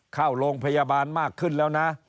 เข้าโรงพยาบาลมากขึ้นแล้วนะ